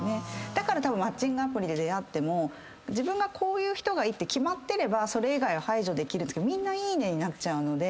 だからマッチングアプリで出会っても自分がこういう人がいいって決まっていればそれ以外は排除できるんですけどみんないいねになっちゃうので。